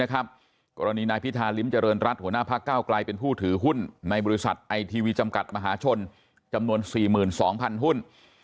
กรณีนายพิธาริมเจริญรัฐหัวหน้าพักเก้าไกลเป็นผู้ถือหุ้นในบริษัทไอทีวีจำกัดมหาชนจำนวน๔๒๐๐หุ้น